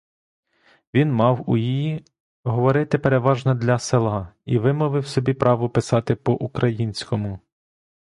Він мав у їй говорити переважно для села і вимовив собі право писати по-українському.